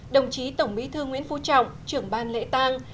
đồng chí tổng bí thư nguyễn phú trọng trưởng ban lễ tang